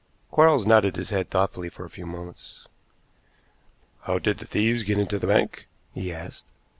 Quarles nodded his head thoughtfully for a few moments. "How did the thieves get into the bank?" he asked.